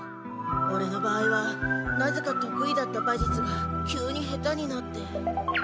オレの場合はなぜかとくいだった馬術が急に下手になって。